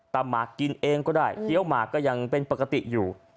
หมากกินเองก็ได้เคี้ยวหมากก็ยังเป็นปกติอยู่